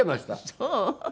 そう？